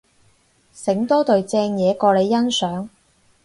醒多隊正嘢過你欣賞